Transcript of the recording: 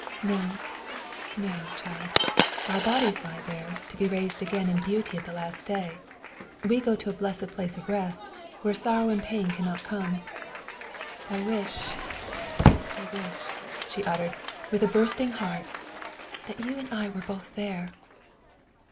"No, no, child. Our bodies lie there, to be raised again in beauty at the last day. We go into a blessed place of rest, where sorrow and pain cannot come. I wish I wish," she uttered, with a bursting heart, "that you and I were both there!"